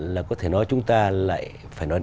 là có thể nói chúng ta lại phải nói